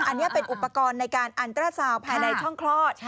อันนี้เป็นอุปกรณ์ในการอันตราซาวภายในช่องคลอด